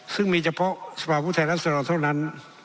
ซึ่งมีเฉพาะสภาพุทธแหละเสนอร่างเท่านั้น